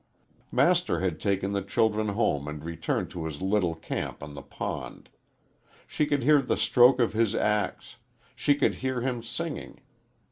Master had taken the children home and returned to his little' camp on the pond. She could hear the stroke of his axe; she could hear him singing.